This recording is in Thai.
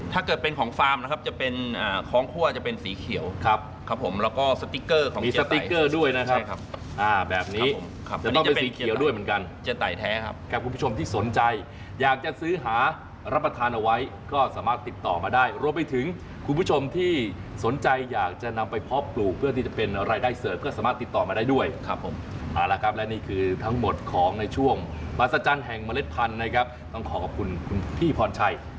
จะเป็นของฟาร์มนะครับจะเป็นของคั่วจะเป็นสีเขียวครับครับผมแล้วก็สติ๊กเกอร์ของมีสติ๊กเกอร์ด้วยนะครับครับอ่าแบบนี้ครับจะต้องเป็นสีเขียวด้วยเหมือนกันจะแต่แท้ครับกับคุณผู้ชมที่สนใจอยากจะซื้อหารับประทานเอาไว้ก็สามารถติดต่อมาได้รวมไปถึงคุณผู้ชมที่สนใจอยากจะนำไปพอปลูกเพื่อที่จะเป็นรายได้เสิร์